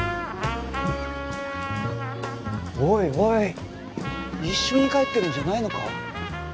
おいおい一緒に帰ってるんじゃないのか？